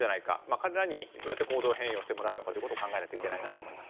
彼らにどうやって行動変容してもらうのか考えないといけないなと思います。